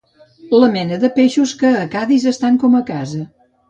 La mena de peixos que a Cadis estan com a casa.